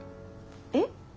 えっ？